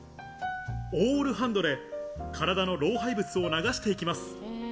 オールハンドで体の老廃物を流していきます。